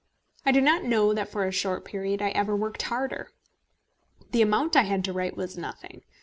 I do not know that for a short period I ever worked harder. The amount I had to write was nothing.